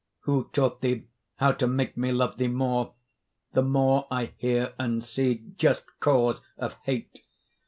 Who taught thee how to make me love thee more, The more I hear and see just cause of hate?